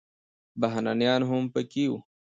بهرنیان هم پکې وو.